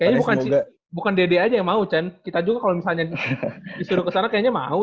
kayaknya bukan d d aja yang mau kita juga kalau misalnya disuruh kesana kayaknya mau